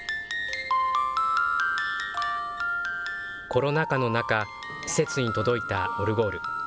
コロナ禍の中、施設に届いたオルゴール。